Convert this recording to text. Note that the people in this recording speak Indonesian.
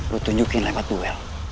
lo tunjukin lewat duel